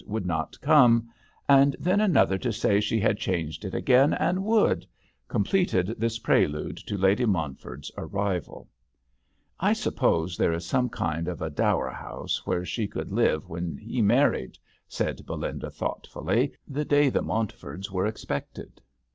One more telegram to say she had changed her mind and would not come, and then another to say she had changed it again and would, completed this pre lude to Lady Montford's arrival. I suppose there is some kind of a dower house where she could live when he married," said Belinda thoughtfully, the day the Montford's were expected.